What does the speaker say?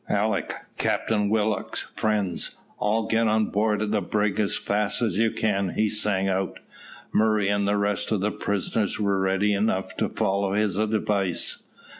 "Alick, Captain Willock, friends, all get on board the brig as fast as you can," he sang out. Murray and the rest of the prisoners were ready enough to follow his advice.